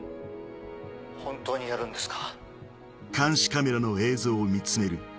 本当にやるんですか？